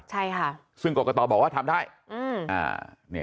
ใช่ค่ะ